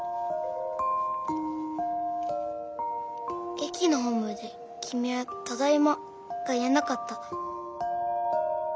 駅のホームで君は「ただいま」が言えなかった。